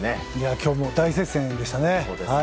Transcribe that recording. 今日も大接戦でしたね。